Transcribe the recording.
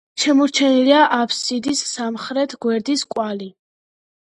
შემორჩენილია აფსიდის სამხრეთ გვერდის კვალი.